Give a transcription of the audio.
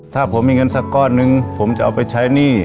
ถ้าผมมีเงินสักก้อนหนึ่งผมจะเอาไปใช้หนี้